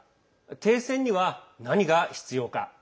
停戦には何が必要か。